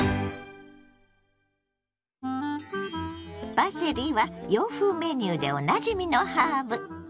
パセリは洋風メニューでおなじみのハーブ。